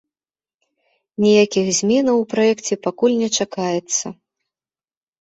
Ніякіх зменаў у праекце пакуль не чакаецца.